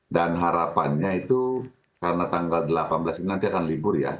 dan harapannya itu karena tanggal delapan belas ini nanti akan libur ya